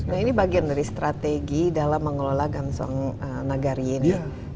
nah ini bagian dari strategi dalam mengelola gansong nagari ini